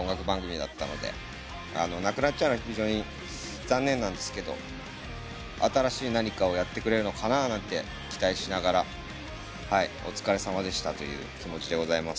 なくなっちゃうのは非常に残念なんですけど新しい何かをやってくれるのかななんて期待しながらお疲れさまでしたという気持ちです。